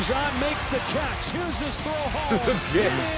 すげえ。